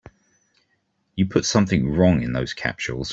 You put something wrong in those capsules.